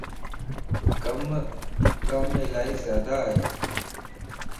ڪم الائي زياده ائي.